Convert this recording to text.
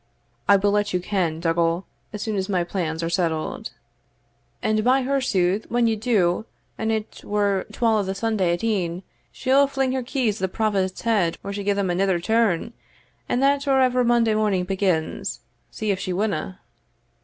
"I will let you ken, Dougal, as soon as my plans are settled." "And, by her sooth, when you do, an it were twal o' the Sunday at e'en, she'll fling her keys at the provost's head or she gie them anither turn, and that or ever Monday morning begins see if she winna."